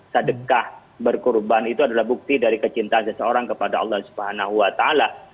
sadeqah berkorban itu adalah bukti dari kecintaan seseorang kepada allah subhanahu wa ta'ala